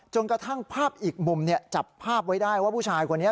กระทั่งภาพอีกมุมจับภาพไว้ได้ว่าผู้ชายคนนี้